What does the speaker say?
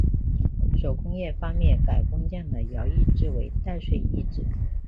手工业方面改工匠的徭役制为代税役制。